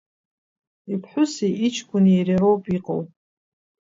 Иԥҳәыси иҷкәыни иареи роуп иҟоу.